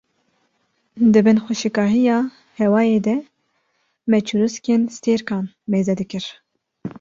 di bin xweşikahiya hêwayê de me çirûskên stêrkan meze dikir